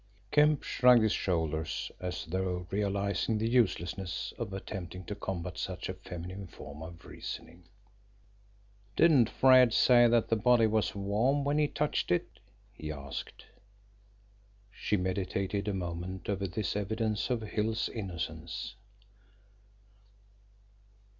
Kemp shrugged his shoulders as though realising the uselessness of attempting to combat such a feminine form of reasoning. "Didn't Fred say that the body was warm when he touched it?" he asked. She meditated a moment over this evidence of Hill's innocence.